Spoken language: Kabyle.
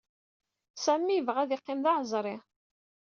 Sami yebɣa ad yeqqim d-aɛezri.